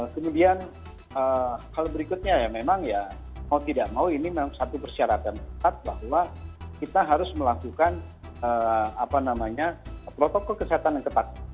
kemudian hal berikutnya ya memang ya mau tidak mau ini satu persyaratan ketat bahwa kita harus melakukan protokol kesehatan yang ketat